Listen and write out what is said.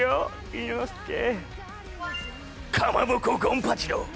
伊之助かまぼこ権八郎！